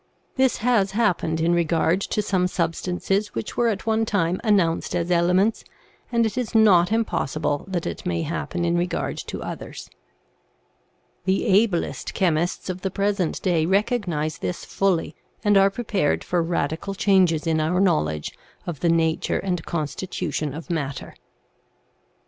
This has happened in regard to some substances which were at one time announced as elements, and it is not impossible that it may happen in regard to others. The ablest chemists of the present day recognize this fully and are prepared for radical changes in our knowledge of the nature and constitution of matter.